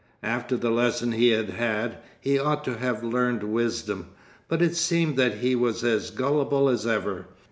After the lesson he had had, he ought to have learned wisdom, but it seemed that he was as gullible as ever.